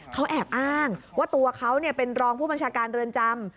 เขาแอบอ้างว่าตัวเขาเป็นรองผู้บัญชาการเรือนจำ